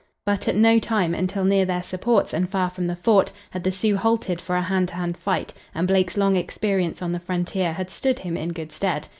But at no time, until near their supports and far from the fort, had the Sioux halted for a hand to hand fight, and Blake's long experience on the frontier had stood him in good stead.